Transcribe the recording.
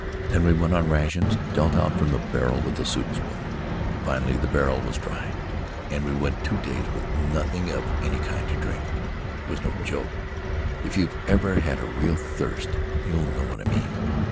Then we went on rations, dealt out from the barrel with a soup spoon. Finally the barrel was dry, and we went two days with nothing of any kind to drink. It was no joke — if you've ever had a real thirst, you'll know what I mean.